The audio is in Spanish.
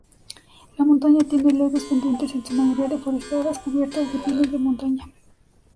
La montaña tiene leves pendientes, en su mayoría deforestadas, cubiertas de pinos de montaña.